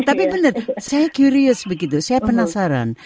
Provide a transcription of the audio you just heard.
tapi benar saya curious begitu saya penasaran